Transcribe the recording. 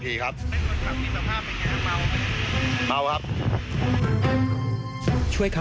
มีความรู้สึกว่ามีความรู้สึกว่า